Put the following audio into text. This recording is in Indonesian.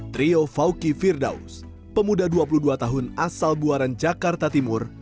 trio fawki firdaus pemuda dua puluh dua tahun asal buaran jakarta timur